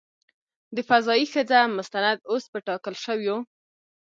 د "فضايي ښځه" مستند اوس په ټاکل شویو .